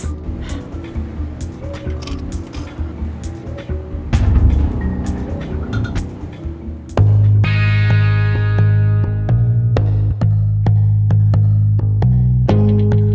mika kamu telefonnya di hidung